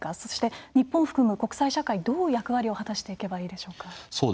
そして、日本を含む国際社会どう役割を果たしていけばいいでしょうか？